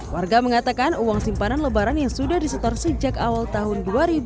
warga mengatakan uang simpanan lebaran yang sudah disetor sejak awal tahun dua ribu dua puluh